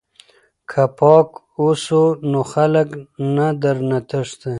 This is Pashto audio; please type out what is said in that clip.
که پاک اوسو نو خلک نه درنه تښتي.